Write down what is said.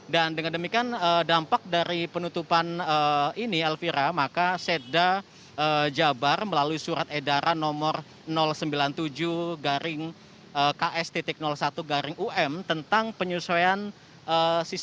dan dengan demikian dampak dari penutupan ini elvira maka sedda jabar melalui surat edara nomor sembilan puluh tujuh ks tujuh belas